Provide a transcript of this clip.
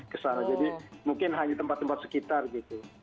kesana jadi mungkin hanya tempat tempat sekitar gitu